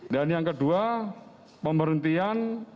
dan yang kedua pemberhentian